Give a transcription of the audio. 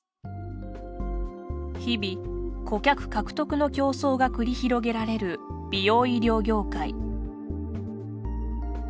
日々、顧客獲得の競争が繰り広げられる美容医療業界。